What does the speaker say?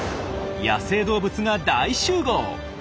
野生動物が大集合。